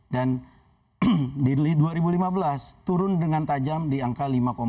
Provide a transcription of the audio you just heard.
dan di dua ribu lima belas turun dengan tajam di angka lima sebelas